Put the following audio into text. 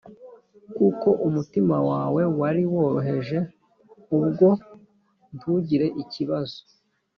kuko umutima wawe wari woroheje ubwo ntugire ikibazo